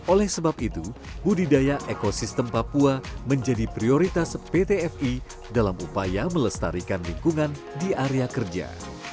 oleh sebab itu budidaya ekosistem papua menjadi prioritas pt fi dalam upaya melestarikan lingkungan di area kerja